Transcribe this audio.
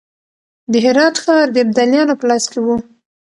د هرات ښار د ابدالیانو په لاس کې و.